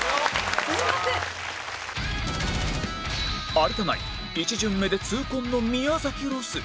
有田ナイン１巡目で痛恨の宮崎ロス